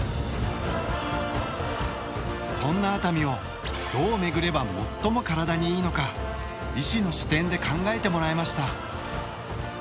そんな熱海をどう巡れば最も体にいいのか医師の視点で考えてもらいました。